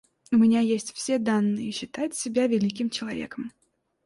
У меня есть все данные считать себя великим человеком.